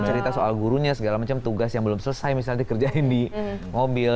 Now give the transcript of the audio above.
cerita soal gurunya segala macam tugas yang belum selesai misalnya dikerjain di mobil